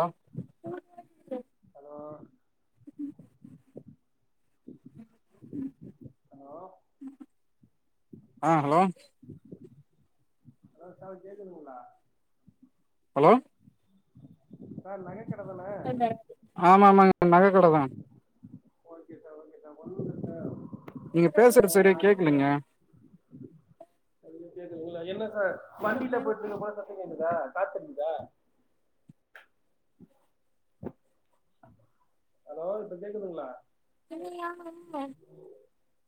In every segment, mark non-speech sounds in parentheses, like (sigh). ஆ hello hello ஆ hello hello sir கேக்குதுங்ளா hello sir நகைக் சார் (unintelligible) ஆமா ஆமாங்க நக கட தா ஓகே சார் ஓகே சார் ஒண்ணு (unintelligible) நீங்க பேசுற செரியா கேக்கலைங்க ஆ வண்டில போய்ட்டு (unintelligible) இப்ப கேக்குதா காத்தடிக்குதா ஹலோ இப்ப கேக்குதுங்ளா (unintelligible)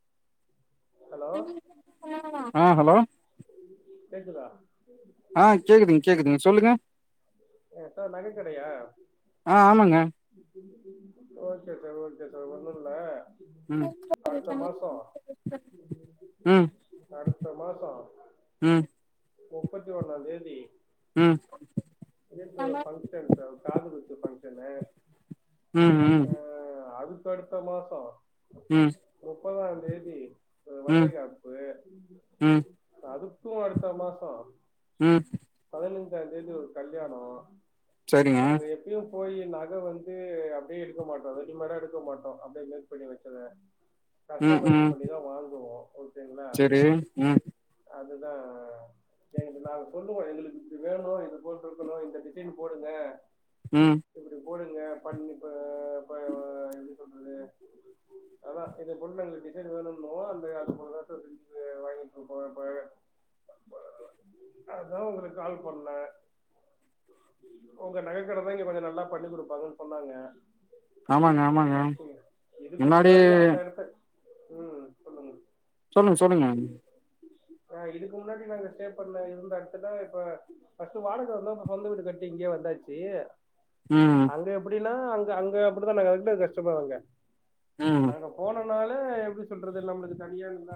ஹலோ (unintelligible) ஆ ஹலோ கேக்குதா ஆ கேக்குதுங் கேக்குதுங் சொல்லுங்க ஆ சார் நகை கடையா ஆ ஆமாங்க ஓகே சார் ஓகே சார் ஒண்ணுல்ல ம் அடுத்த மாசோ ம் அடுத் த மாசோ ம் முப்பத்தி ஒண்ணாந் தேதி ம் வீட்ல ஒரு ஃபங்கஷன் சார் காது குத்து ஃபங்க்ஷனு ம் ம் அ அது கடுத்த மாசோ ம் முப்பதாந் தேதி ம் வளைகாப்பு ம் அதுப் து அடுத்த மாசோ உம் (unintelligible) கல்யாணோ சரிங்க நாங்க எப்பியு போயி நக வந்து அப்படியே எடுக்க மாட்டோ ரெடி மேடா எடுக்க மாட்டோ அப்படியே மேக் பண்ணி வச்சத ம் கஷ்டமைஸ் ம் பண்ணிதான் வாங்குவோ ஓகேங்களா சரி உம் அதுதா எங்களுக்கு நாங் சொல்லுவோ எங்களுக்கு இப்டி வேணு இது போல் இருக்கணு இந்த டிசைன் போடுங்க உம் இப்டி போடுங்க பண்ணி ஆ பா எப்டி சொல்றது அதா இத பொண்ண நாங்க டிசைன் வேணுங்கு அந்த அது பொத வாங்கிட்டு அதா உங்களுக்கு கால் பண்ணே உங்க நகைக்கடைதா இங்க கொஞ்ச நல்லா பண்ணி கொடுப்பாங்கன்னு சொன்னாங்க ஆமாங்க ஆமாங்க முன்னாடி உம் சொல்லுங்க சொல்லுங்க சொல்லுங்க ஆஹ் இதுக்கு முன்னாடி நாங்க ஸ்டே பண்ண இருந்த இடத்துல இப்ப வாடக வந்தா சொந்த வீடு கட்டி இங்கேயே வந்தாச்சு ம் அங்க எப்டி நா அங்க அங்க அப்டித்தா நாங்க கஷ்டப்படுவாங்க ம் நாங்க போன னால எப்டி சொல்றது நம்மளுக்கு தனியால்ல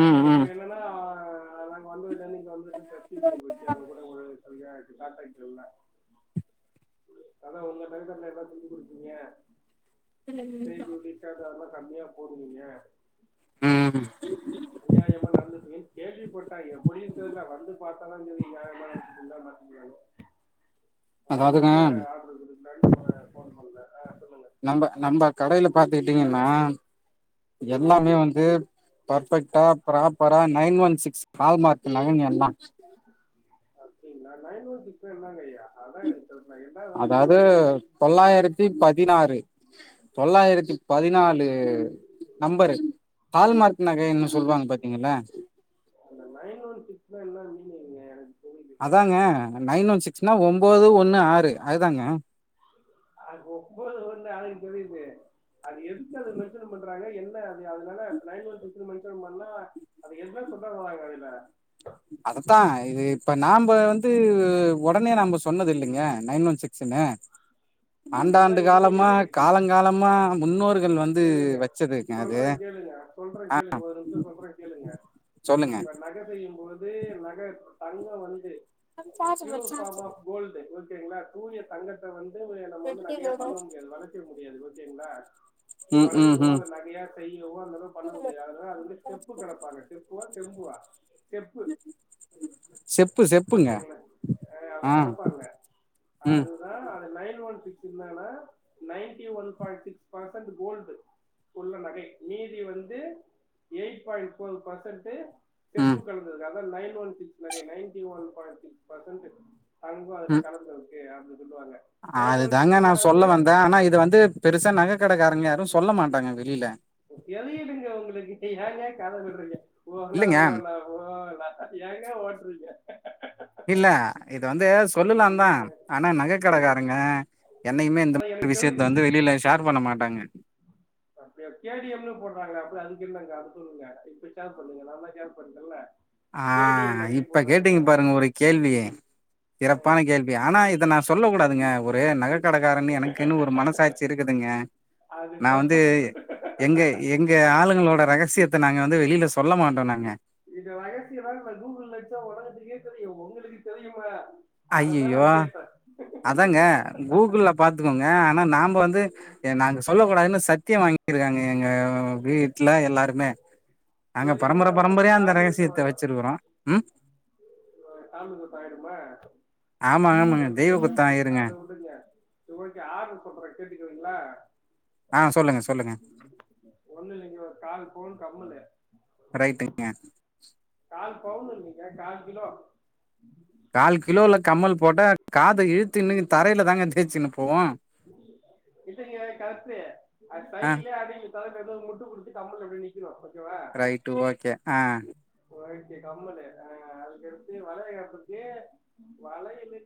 உம் உம் ஆஹ அதங்க வந்து விட்ட நீ என்ல்லா அவ்ளோ அ கா ஆட்டல அதா உங்க டிரவர்ல எல்லா செஞ்சு குடுக்கீங்க டீ குடிச்ச கால் கம்மியா போதுனிங்க உஹம் அநியாயமா நடந்துட்டு கேள்விப்பட்டா எப்டின்னு தெரில வந்து பார்த்தனா நியாயமாங்க அதா அதாவதுங்க நக ஆர்டரு இருக்கு போண்ணல நம்ம நம்ம கடையில பாாரத்துட்டீங்கன்னா ஆ, எல்லாமே வந்து பர்பெக்டா ப்ராப்பரா nine one six hallmark நகங்க எல்லா அப்போ இல்லங்கறயா அதாது தொள்ளாயிரத்தி பதினாறு தொள்ளாயிரத்தி பதினாலு நம்பரு ஹால்மார்க் னக்கா என்ன சொல்லுவாங்க பாத்தீங்கனா உ அதாங்க நைன் ஒன் சிக்ஸ்னா ஒன்பது ஒண்ணு ஆறு அதுதாங்க அது ஒன்பது ஒன்று எனக்கு தெரியுது அது எதுக்கு அது மென்ஷன் பண்றாங்க என்ன அது அதனால நயன் ஒன் சிக்ஸ் மென்ஷன் பண்ண அது என்ன சொல்ல வருவாங்க அதுல அதத்தா தான்னே நான் சொன்னது இல்லைங்க நைன் ஒன் சிக்ஸ் ச்சுன்னு ஆண்டாண்டு அப்படிதான் என்ன காலமா எது காலங்காலமா முன்னோறு கேளுங்க சொல்ற கேளுங்க சொல்ற கேளுங்க ஒரு நிமிஷோ சொல்ற கேளுங்க சொல்லுங்க இப்ப நக செய்யும்போது (inaudible) நக தங்க வந்து பியூர் பாம் ஆஃப் கோல்டு செரிங்களா தூய தங்கத்த வந்து (inaudible) நம வந்து நகையா பண்ண முடியாது வளக்க முடியாது செரிங்களா ம் ம் வளைக்கவோ ம் அத நகையா செய்யவோ அந்த மாரி பண்ண முடியாது அதனால அது வந்து ஸ்டெப்பு கலப்பாங்க ஸ்டெப்ப செம்புவா ஸ்டெப்பு செப்பு செப்புங்க ஓகேங்களா அத ஆ கலப்பாங்க ம் அதுதா நைன் ஒன் சிக்ஸ் என்னனா நைன்டி ஒன் பாய்ன்ட் சிக்ஸ் பா கோல்டு உள்ள நகை மீதி வந்து எயிட் பாய்ண்ட் ஃபோர் பர்சன்ட் ம் செப்பு கலந்தது நைன் ஒன் சிக்ஸ் நகை ninety one point six percent தங்கோ அதுல கலந்த இருக்கு அப்ப அத தாங்க நா சொல்ல வந்த ஆனா இது வந்து பெருசா நக கடக்காருங்க சொல்ல மாட்டாங்க வெளியில எழுதிடுங்க உங்களுக்கு ஏங்க கத விடுறீங்க இல்லைங்க (unintelligible) ஏங்க ஓட்றீங்க இல்ல இது வந்து சொல்லுலா தா ஆனா நக ம். கடக்காரங்க என்னைக்குமே இந்த ஆனா மாரி எனக்கு விஷயத்த தெரிஞ்சு வந்து வெளியில ஷேர் பண்ண மாட்டாங்க அப்படியா கே டி எம்னு போடுறாங்கள அப்படி அதுக்கு என்னங்க அத சொல்லுங்க இப்ப ஷேர் பண்ணுங்க நாலா ஷேர் பண்ணல்ல ஆஹ் இப்ப கேட்டீங்க பாருங்க ஒரு கேள்வி சிறப்பான கேள்வி ஆனா இத நா சொல்ல கூடாதுங்க ஒரே நக கடக்காரன்னு எனக்குன்னு ஒரு மனசாட்சி இருக்குதுங்க அது நா வந்து சஸ்பென்ஸ் எங்க எங்க ஆளுங்களோட ரகசியத்த நாங்க வந்து வெளியில சொல் சொல்ல மாட்டோ நாங்க இந்த ரகசியதா கூகுள்ள அடிச்சா உலகத்துக்கே தெரியு உங்களுக்கு தெரியுமா அததான் ஐயையோ நான் கேட்டேன் அதாங்க கூகுள் பாத்துக்கோங்க ஆனா நாம வந்து நாங்க சொல்லக்கூடாதுன்னு சத்திய வாங்கி இருக்காங்க எங்க வீட்ல எல்லாருமே நாங்க சொல்லிட்டா பரம்பர அவன் இப்ப பரம்பரையா அந்த சாமி குத்தம் ரகசியத்த வச்சிருக்கறோ உம் ஓ சாமி குத்தோ ஆயிடு ஆமா ஆமாங்க ஓகே தெய்வ ஓகே குத்தம் இருங்க. அத விடுங்க ஓகே ஆறுதல் சொல்ற கேட்டுக்குவீங்களா ஆ சொல்லுங்க சொல்லுங்க ஒண்ணு இல்லைங்க ஒரு காள் போண் கம்மலு ரைட்டுங்க கா காள் கிலோ கால் கிலோல கம்மல் போட்டா காதை இழுத்துன்னு தரையில தாங்க தேச்சுன்னு போவோம் இல்லைங்க கரெக்டு அது அஹ சைட்லயே அடங்கி முட்டு குடுத்து கம்பல் அப்டியே நிக்கணும் ஓகேவா ரைட்டு ஓகே ஆஹ் (unintelligible)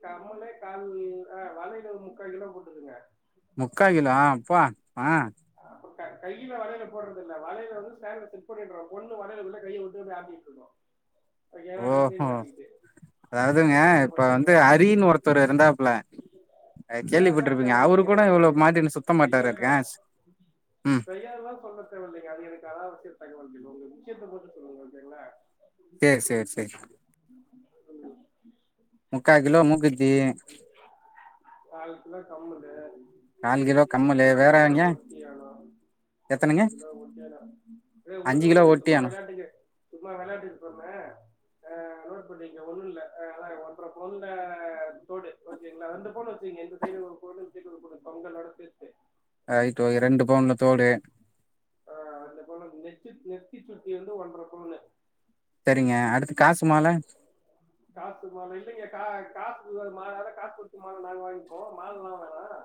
கமளே கால் ஆஹ் வலையில ஒரு முக்கால் கிலோ போட்டுக்குங்க முக்காகிலா ஆ அப்பா ஹான் அப்ப கையில வலையல போடுறதில்ல வலையல வந்து சேல பொண்ணு வரையல உள்ளள்ள கையை விட்டு அப்படிட்டு ஓஹோ அது அதாவதுங்க போல இப்ப வந்து பண்ணீங்களா அரினு ஒருத்தரு இருந்தாப்புல தேவைலாம் கேள்விப்பட்டுருப்பீங்க அவரு தேவையில்லைங்க கூட இவ்வளவு மாட்டினு சுத்த மாட்டாரு ஏன் செய்யாருதான் சொல்ல தேவல்லைங்க (unintelligible) தகவல் ஒரு முக்கியத்துவம் பார்த்தீங்ஙனா சேரி சேரி சேரி முக்கா கிலோ மூக்குத்தி கம்பளு கால் கிலோ கம்மலு வேற எவங்க ஒட்டியானாம் ஒன்பது கிலோ ஒட்டியானம் விடுங்க அஞ்சு கிலோ விடுங்க சும்மா ஒட்டியாணோ விளையாட்டுக்கு சும்மா விளையாட்டுக்கு சொல்றேன் அஹ் நோட் பண்ணிக்க ஒண்ணும்ல அதப்புற பொல்ல தோடு ஓகேங்களா ரெண்டு பௌனு வச்சீகங்க அந்த சைடு ஒரு பௌனு இந்த சைடு ஒரு பௌனு பொங்கலோட சேத்து (unintelligible) ரெண்டு பௌன்லத்தோடு ஆஹ் அந்த பவுன் நெத்தி நெத்தி சுட்டி வந்து ஒன்ற பௌனு சரிங்க அடுத்து காசு மாலை காசு மாலை இல்லைங்க கா காசு ஒரு மாலை காசுபச்சி மாலை நாங்க வாங்கிக்கோம் மாலைல்லாம் வேணாம்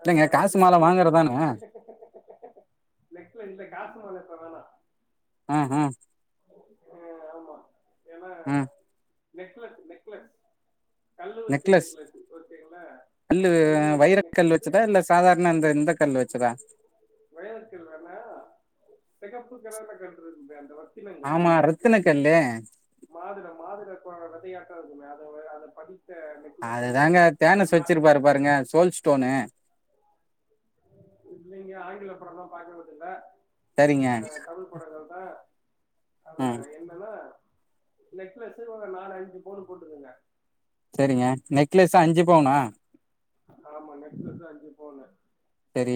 இல்லங்க ஆஹ் காசு மால வாங்குறதானே நெக்லஸ் நெக்ல இல காசு மாலை ஆஹ ஆஹ் ஆஹ் ஆஹ் ஆமா ஏனா ஆ நெக்லஸ் நெக்லஸ் கல்லுவச்ச நெக்லஸ் ஓகேங்ளா கல்லு வச்ச வைரக்கல் நெக்லஸ்ஸு வச்சதா இல்ல சாதாரண இந்த இந்த கல் வச்சதா வய்றக்கல் வேணா செகப்பு க கண்டந்த அந்த ஆமா ரத்தனுக்கல்லே மாதுளை மாதுளை கொ- விதையாட்டம் இருக்குமே அதை அதை படித்து அதுதாங்க தேனஸ் வச்சிருப்பாரு பாருங்க சோல்ஸ்டோனு இல்லைங்க ஆங்கில படம்லாம் பார்க்கறது இல்ல சரிங்க அஹ் தமிழ் படங்கள் தான் ம் அதான் என்னன்னா நெக்லஸ் ஒரு நாலு அஞ்சு பவுன் போட்டுக்கோங்க செரிங்க நெக்லெஷு அஞ்சு பவுனா ஆமா நெக்லஸ் அஞ்சு பவுன் செரி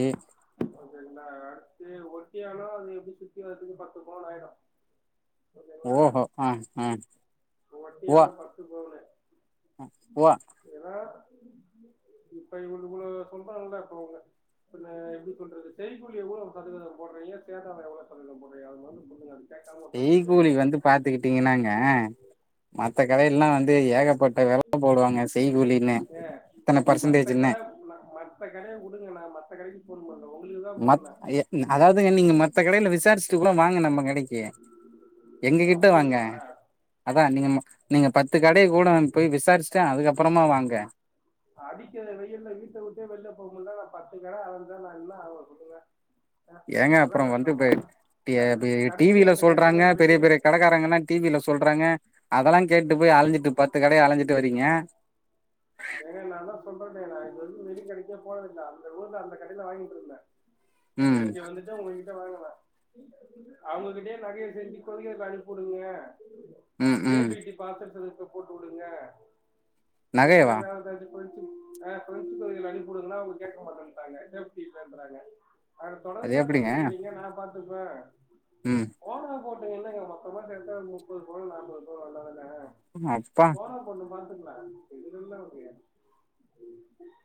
ஓகேங்களா அடுத்து ஒட்டியானம் அது எப்படி சுத்தி வர்றதுக்கு பத்து பவுன் ஆயிடும் ஓஹோ ஆஹ் ஆஹ் ஒட்டியாணம் பர்ஸ்ட் பவுனு உவா இவ்ளோ சொல்றாங்கல்ல இப்ப அவங்க பின்ன எப்டி சொல்றது செய்கூலி எவ்ளோ சதவீதம் போடுறீங்க சேதாரம் எவ்ளோ சதவீதம் போடுறீங்க அது வந்து சொல்லுங்க அது கேட்காம ஒரு செய் முக்கியமான கூலி வந்து விஷயோ பாத்துக்கிட்டினாங்க மத்த கடயல்லா வந்து ஏகப்பட்ட வெல போடுவாங்க செய் கூலினு ஏ இத்தன மத்த பர்சன்டேஜ்னு கட மத்த கடைய வுடுங்க நா (unintelligible) மத் பண்ண எ அதாவது நீங்க மத்த கடில விசாரச்சு ல்லா வாங்க நம்ம கடக் எ எங்ககிட்ட வாங்க அப்டிங்களா அதா நீங்க நீங்க பத்து கடய கூட போய் விசாரிச்சுட்ட அதுக்கப்பறமா வாங்க அடிக்கற வெயில வீட்ட வுட்டே வெளில போக முட்ல நா பத்து கட அழஞ்சா நா என்ன ஆவ சொல்லுங்க ஆ ஏங்க இப்டில்லா அப்றோ வந்து இப்ப பேசலாமா டே கட பி கடைக்கு டிவில வந்த சொல்றாங்க கஸ்டமர பெரிய வெளில பெரிய கடக்காரங்கனா டிவில சொல்றாங்க அதெல்லா கேட்டு போய் அழஞ்சிட்டு பத்து கடைய அழஞ்சிட்டு வறீங்க ஏன்னா நாதா சொல்றனில்ல இப்ப வந்து வெளிகடைக்கே போனதில்ல அந்த ஊர்ல அந்த கடைல வாங்கிட்டு இருந்த இப்ப ம் இங்க வந்துட்டு உங்ககிட்ட வாங்கலா அவங்ககிட்டயே நெறயா செஞ்சு கொரியர் அனுப்புடுங்க ம் ஏ ம் பீட்டி பார்சல் சர்வீஸ் போட்டு வுடுங்க ல்ல நகையவா லெவன் தேட்டி (unintelligible) அவங்க கேட்கமாட்டன்டாங்க எப்டி இல்லன்றாங்க அது தொடர்ந்து பிரச்சன இல்லீங்க நா பா்த் அதுப்பா உம் ங்க என்னங்க மொத்தமா சேத்தா முப்பது பவுன் நாற்பது பவுன் அவ்ளதா ம் அப்பா பாத்துக்கலாம் இதுல ஒரு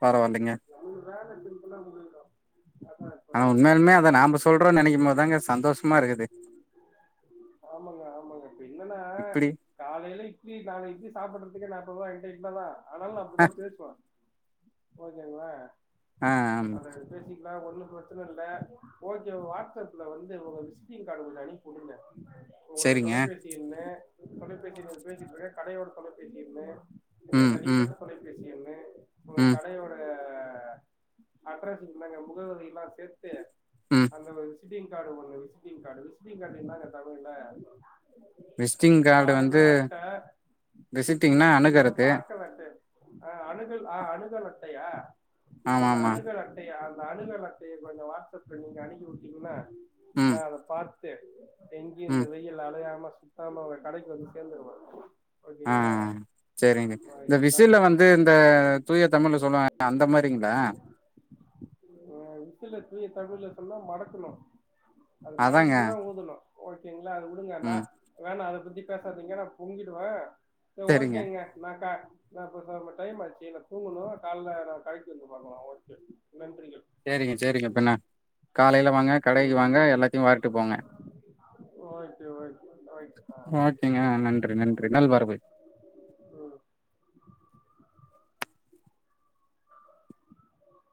பரவாலங்க நம்மளுக்கு வேலை சிம்பிளா முடுஞ்சுறும் ஆனா உண்மையலுமே அத நாம சொல்றோம் நினைக்கும் போதுதாங்க சந்தோஷமா இருக்குது ஆமாங்க ஆமாங்க இப்ப என்னன்னா இப்படி சாப்பிடறதுக்கு நான் அதனால நா அ அப்டிதான் பேசுவன் ஓகேங்களா ஆஹ் ஆம் அத பேசிக்கலா ஒன்னும் பிரச்சன இல்ல ஓகே வாட்ஸ்அப்ல வந்து உங்க விசிட்டிங் கார்டு அனுப்புடுங்க உங்களோட செரிங்க தொலைபேசி என்னு தொலைபேசில பேசிட்ருக்கேன் கடையோட தொலைபேசி என்னு ம் ம் தனிப்பட்ட தொலை பேசி ஒரு ம் கடையோட அட்ரசுங்க முகவரிலாம் சேர்த்து ம் அந்த ம விச்டி்கார்டு ஒண்ணு விச்டிங் கார்டு விச்டிங் கார்டு இனாங்க தமிழ்ல விச்டிங் கார்டு கார்டுன்னா வந்து அட்ட விசிட்டிங்னா அணுகுறது பாக்க அட்ட அஹ் அணுகல் ஆஹ் அணுகல் அட்டையா ஆமா அந்த ஆமா அணுகள் அட்டையா அனுல் அட்டைய கொஞ்சம் வாட்ஸ்அப்ல நீங்க அனுகி விட்டீங்கன்னா ந ம் அத ப சேரி டெங்கி இந்த ம் வெயில்ல அழைய சுத்தாம அவ கடைக்கு வந்து சேர்ந்துருவா ஆ ஓகீங்களா செரிங்க இந்த விசில வந்து இந்த தூய தமிழ்ல சொல்லுவாகள அந்த மாரிங்களா நல்லா மடக்கனும் அது அதாங்க மடைக்கிட்டுதான் ஊதணும் ஒரு அத வுடுங்க ந ம் வேணா அ இப்டி பேசாதிங்க நான் பொங்கிடுவேன் ச செரிங்க ஓக்கேங்க இ டைம் ஆச்சு நா தூங்கணும் காலகடைக்கு வந்து பாக்கலாம் ஓகே நன்றிகள் சரிங்க சரிங்க பிண்ண காலையில வாங்க கடைக்கு ம் வாங்க எல்லாத்தையும் வார்ட்டு போங்க ஓகே ஓகே ஓகே ஆ ஓகேங்க நன்றி நன்றி நல்வரவு ம்